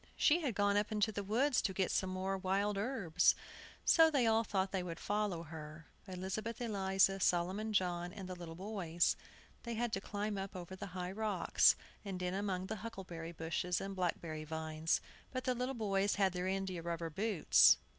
She had gone up into the woods to get some more wild herbs, so they all thought they would follow her, Elizabeth Eliza, Solomon John, and the little boys. They had to climb up over high rocks, and in among huckleberry bushes and black berry vines. But the little boys had their india rubber boots.